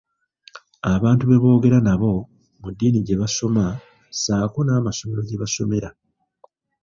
Abantu be boogera nabo, mu ddiini gye basoma, ssaako n'amasomero gye basomera.